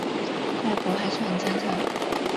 外婆还是很坚强